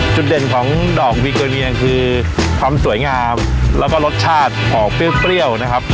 จุดเด่นของดอกวิโกเนียงคือความสวยงามแล้วก็รสชาติออกเปรี้ยวนะครับ